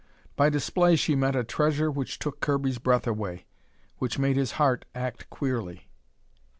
By "display" she meant a treasure which took Kirby's breath away, which made his heart act queerly.